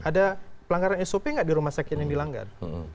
ada pelanggaran sop nggak di rumah sakit yang dilanggar